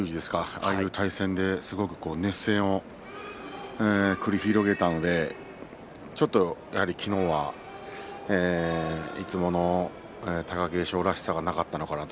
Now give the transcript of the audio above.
ああいう対戦で熱戦を繰り広げたのでちょっとやはり昨日はいつもの貴景勝らしさがなかったのかなと。